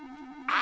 あ！